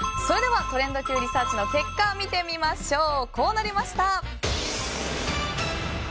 それではトレンドＱリサーチの結果を見てみましょう。